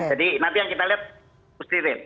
jadi nanti yang kita lihat positivity rate